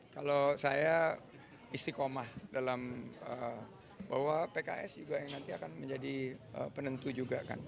kalau saya istiqomah dalam bahwa pks juga yang nanti akan menjadi penentu juga kan